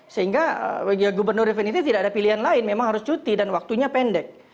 sehingga gubernur definitif tidak ada pilihan lain memang harus cuti dan waktunya pendek